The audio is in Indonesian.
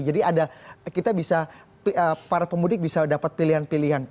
jadi ada kita bisa para pemudik bisa dapat pilihan pilihan